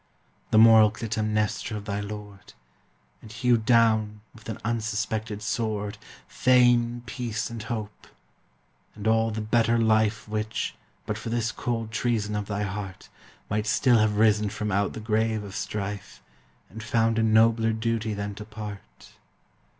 The moral Clytemnestra of thy lord, And hewed down, with an unsuspected sword, Fame, peace, and hope and all the better life Which, but for this cold treason of thy heart, Might still have risen from out the grave of strife, And found a nobler duty than to part.